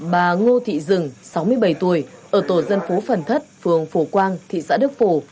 bà ngô thị rừng sáu mươi bảy tuổi ở tổ dân phố phần thất phường phổ quang thị xã đức phổ